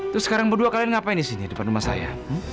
terus sekarang berdua kalian ngapain disini depan rumah saya